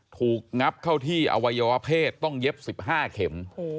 งับเข้าที่อวัยวะเพศต้องเย็บ๑๕เข็ม